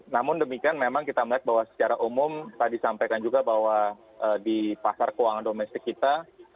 namun demikian memang kita melihat bahwa secara umum tadi sampaikan juga bahwa di pasar keuangan domestik kita